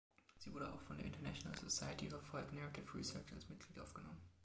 Sie wurde auch von der International Society for Folk Narrative Research als Mitglied aufgenommen.